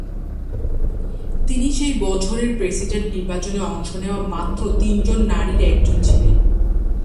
তিনি সেই বছরের প্রেসিডেন্ট নির্বাচনে অংশ নেওয়া মাত্র তিনজন নারীর একজন ছিলেন।